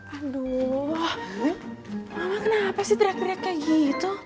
aduh mama kenapa sih teriak teriaknya gitu